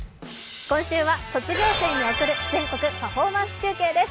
今週は卒業生に贈る全国パフォーマンス中継です。